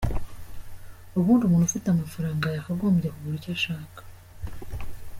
Ubundi umuntu ufite amafaranga yakagombye kugura icyo ashaka.